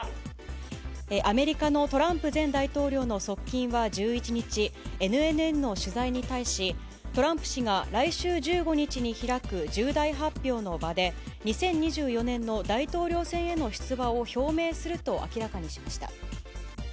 アメリカのトランプ前大統領の側近は１１日、ＮＮＮの取材に対し、トランプ氏が来週１５日に開く重大発表の場で、２０２４年の大統領選への出馬を表明すると明らかにしました。